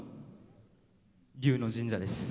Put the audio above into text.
龍の神社です。